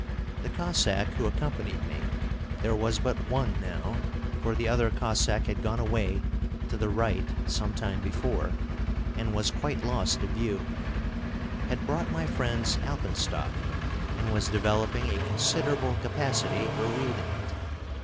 The Cossack who accompanied me there was but one now, for the other Cossack had gone away to the right some time before, and was quite lost to view had brought my friend's alpenstock, and was developing a considerable capacity for wielding it.